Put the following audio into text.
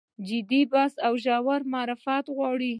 جدي بحث ژور معرفت غواړي.